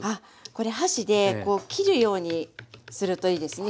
これ箸でこう切るようにするといいですね。